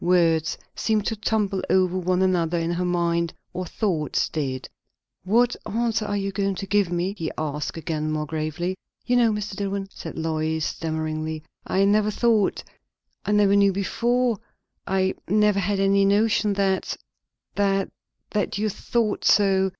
Words seemed to tumble over one another in her mind, or thoughts did. "What answer are you going to give me?" he asked again, more gravely. "You know, Mr. Dillwyn," said Lois stammeringly, "I never thought, I never knew before, I never had any notion, that that that you thought so."